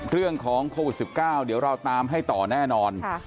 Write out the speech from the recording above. เรื่องของโควิด๑๙เดี๋ยวเราตามให้ต่อแน่นอน